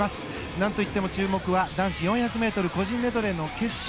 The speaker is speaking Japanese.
なんといっても注目は男子４００ｍ個人メドレーの決勝